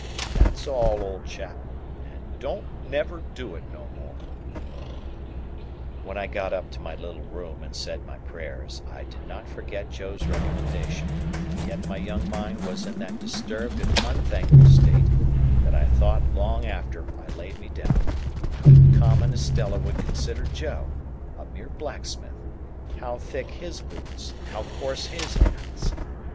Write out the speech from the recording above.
That's all, old chap, and don't never do it no more." When I got up to my little room and said my prayers, I did not forget Joe's recommendation, and yet my young mind was in that disturbed and unthankful state, that I thought long after I laid me down, how common Estella would consider Joe, a mere blacksmith; how thick his boots, and how coarse his hands.